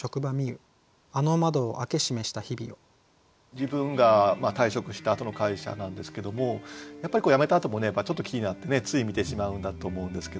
自分が退職したあとの会社なんですけどもやっぱり辞めたあともちょっと気になってつい見てしまうんだと思うんですけどね。